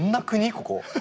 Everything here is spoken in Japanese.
ここ。